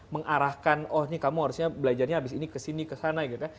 mengarahkan oh ini kamu harusnya belajarnya abis ini kesini kesana gitu